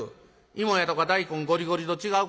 芋やとか大根ごりごりと違う？